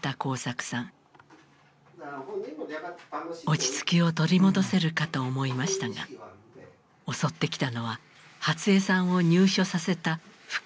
落ち着きを取り戻せるかと思いましたが襲ってきたのは初江さんを入所させた深い後悔でした。